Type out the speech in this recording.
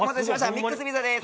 ミックスピザです。